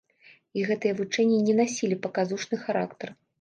І гэтыя вучэнні не насілі паказушны характар.